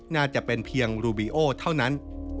น่าจะเป็นเพียงรูบีโอเท่านั้น